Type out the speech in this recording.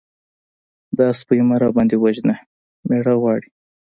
_دا سپۍ مه راباندې وژنه! مېړه غواړي.